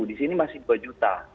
di sini masih dua juta